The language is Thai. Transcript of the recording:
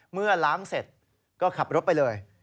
เมื่อล้างเสร็จก็ขับรถไปเลย